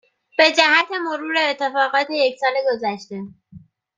به جهت مرور اتفاقات یک سال گذشته